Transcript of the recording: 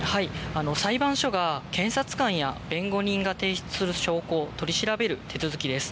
裁判所が検察官や弁護人が提出する証拠を取り調べる手続きです。